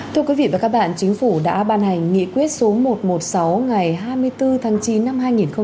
thưa quý vị và các bạn chính phủ đã ban hành nghị quyết số một trăm một mươi sáu ngày hai mươi bốn tháng chín năm hai nghìn một mươi chín